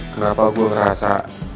kenapa gue ngerasa